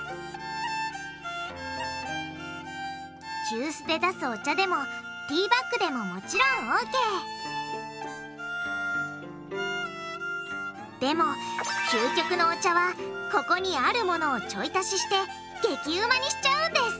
急須で出すお茶でもティーバッグでももちろんＯＫでも究極のお茶はここにあるものをちょい足しして激うまにしちゃうんです！